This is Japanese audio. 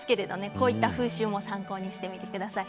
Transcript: こういった風習も参考にしてみてください。